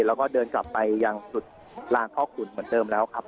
แล้วก็เดินกลับไปยังจุดลางพ่อขุนเหมือนเดิมแล้วครับ